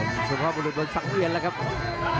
อื้อหือจังหวะขวางแล้วพยายามจะเล่นงานด้วยซอกแต่วงใน